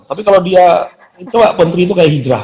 tapi kalau dia itu lah menteri itu kayak hijrah